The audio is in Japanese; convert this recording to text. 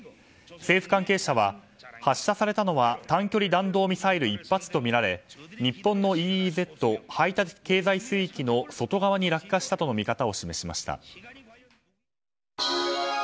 政府関係者は発射されたのは短距離弾道ミサイル１発とみられ日本のＥＥＺ・排他的経済水域の外側に落下したとの見方を示しました。